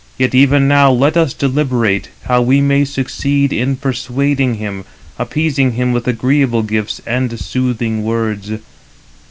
Yet even now let us deliberate how we may succeed in persuading him, appeasing him with agreeable gifts and soothing words."